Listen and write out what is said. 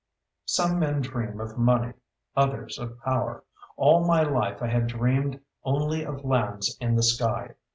Some men dream of money, others of power. All my life I had dreamed only of lands in the sky.